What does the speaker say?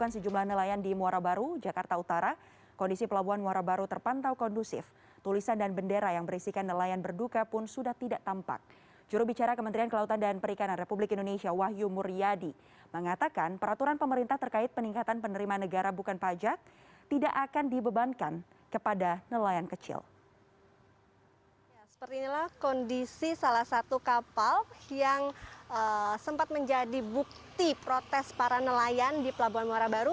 seperti inilah kondisi salah satu kapal yang sempat menjadi bukti protes para nelayan di pelabuhan muara baru